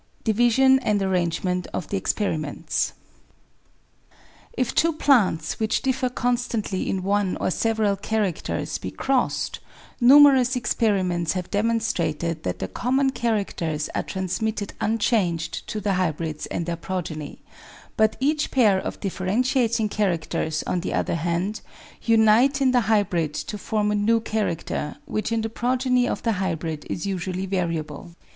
Division and Arrangement of the Experiments If two plants which differ constantly in one or several characters be crossed, numerous experiments have demonstrated that the common characters are transmitted unchanged to the hybrids and their progeny; but each pair of differentiating characters, on the other hand, unite in the hybrid to form a new character, which in the progeny of the hybrid is usually variable.